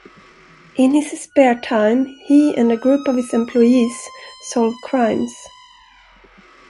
In his spare time, he and a group of his employees solve crimes.